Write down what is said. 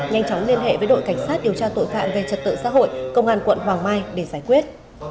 nhanh chóng liên hệ với đội cảnh sát điều tra tội phạm về trật tự xã hội công an quận hoàng mai để giải quyết